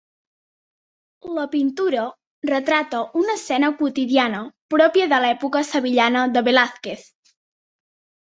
La pintura retrata una escena quotidiana pròpia de l'època sevillana de Velázquez.